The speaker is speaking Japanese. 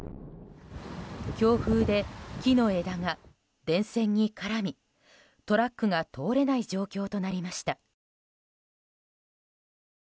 強風で木の枝が電線に絡みトラックが通れない状況となりました。